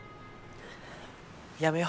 やめよ。